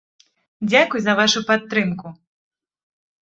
Дзякуй за вашу падтрымку!